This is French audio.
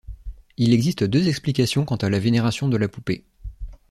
Il existe deux explications quant à la vénération de la poupée.